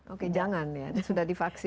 oke jangan ya sudah divaksin